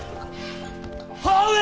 母上！